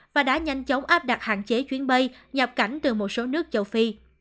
và đã nhanh chóng áp đặt hạn chế chuyến bay nhập cảnh từ một số nước châu phi